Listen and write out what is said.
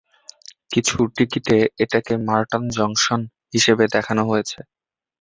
কিছু টিকিটে এটাকে মার্টন জংশন হিসেবে দেখানো হয়েছে।